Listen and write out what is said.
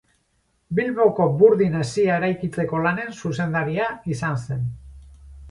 Bilboko Burdin Hesia eraikitzeko lanen zuzendari izan zen.